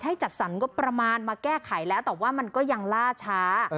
จัดสรรงบประมาณมาแก้ไขแล้วแต่ว่ามันก็ยังล่าช้า